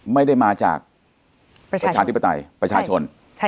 ไม่ได้มาจากประชาชน